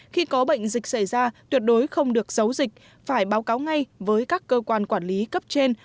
khi có bệnh dịch xảy ra tuyệt đối không được giấu dịch phải báo cáo ngay với các cơ quan quản lý cấp trên